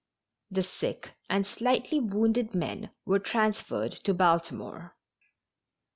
The sick and slightly wounded men were transferred to Baltimore.